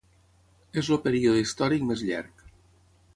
És el període històric més llarg.